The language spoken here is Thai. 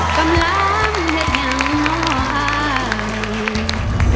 กำลังให้อย่างน้อย